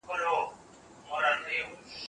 بازار د تقاضا له مخي بدلېږي.